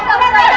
kamu tidak bisa